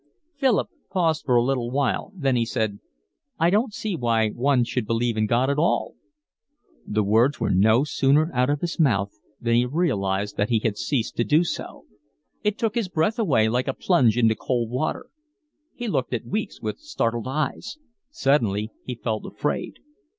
Philip paused for a little while, then he said: "I don't see why one should believe in God at all." The words were no sooner out of his mouth than he realised that he had ceased to do so. It took his breath away like a plunge into cold water. He looked at Weeks with startled eyes. Suddenly he felt afraid.